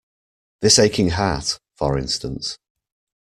This aching heart, for instance.